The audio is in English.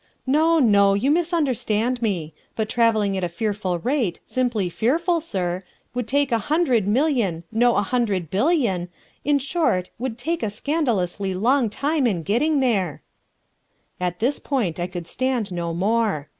"No, no, you misunderstand me, but travelling at a fearful rate, simply fearful, sir, would take a hundred million no, a hundred billion in short would take a scandalously long time in getting there " At this point I could stand no more.